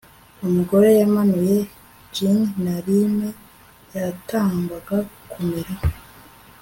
Umugore yamanuye gin na lime yatangwaga kumira